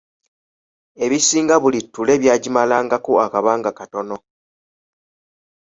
Ebisinga buli ttule byagimalangako akabanga katono.